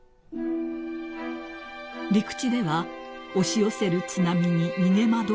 ［陸地では押し寄せる津波に逃げ惑う人々］